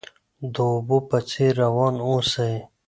د اوبو په څیر روان اوسئ.